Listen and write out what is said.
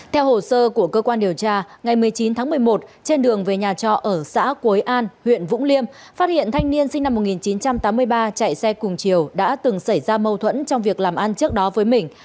theo hồ sơ của cơ quan điều tra ngày một mươi chín tháng một mươi một trên đường về nhà trọ ở xã quế an huyện vũng liêm phát hiện thanh niên sinh năm một nghìn chín trăm tám mươi ba chạy xe cùng chiều đã từng xảy ra mâu thuẫn trong việc làm ăn trước đó với mình